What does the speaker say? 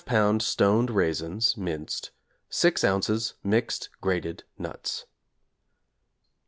stoned raisins minced, 6 ozs. mixed grated nuts.